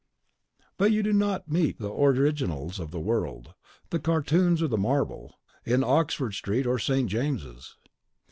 But you do not meet the originals of the words, the cartoons, or the marble, in Oxford Street or St. James's.